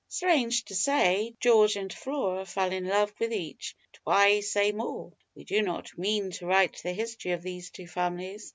Strange to say, George and Flora fell in love with each But why say more? We do not mean to write the history of these two families.